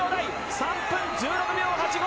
３分１６秒８５！